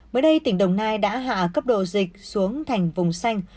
mới đây tỉnh đồng nai đã hạ cấp độ dịch xuống thành vùng xanh